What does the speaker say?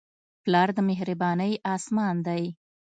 پلار د مهربانۍ اسمان دی.